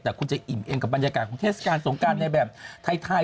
แต่คุณจะอิ่มเองกับบรรยากาศของเทศกาลสงการในแบบไทย